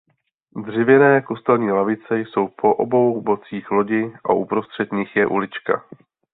Dřevěné kostelní lavice jsou po obou bocích lodi a uprostřed nich je ulička.